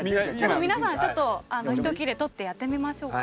皆さんちょっと１切れ取ってやってみましょうか。